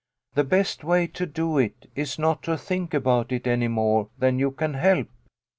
The best way to do it is not to think about it any more than you can help."